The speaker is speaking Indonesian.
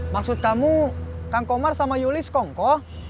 maksud kamu kang komar sama yuli sekongkoh